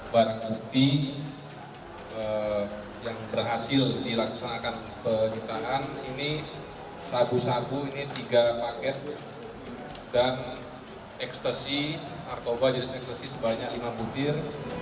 barang bukti yang berhasil dilaksanakan penyitaan ini sabu sabu ini tiga paket dan ekstasi narkoba jenis ekstasi sebanyak lima butir